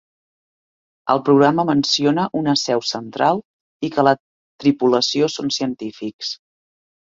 El programa menciona una "seu central" i que la tripulació són científics.